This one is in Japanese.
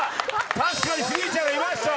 確かにスギちゃんがいました！